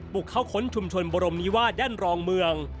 ปลูกเข้าข้นชุมชนบรมนีวาดย่านรองเมือง